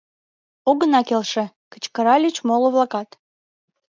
Огына келше! — кычкыральыч моло-влакат.